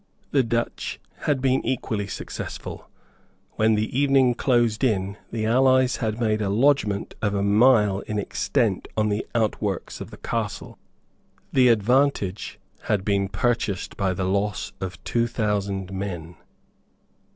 The Dutch had been equally successful. When the evening closed in the allies had made a lodgment of a mile in extent on the outworks of the castle. The advantage had been purchased by the loss of two thousand men.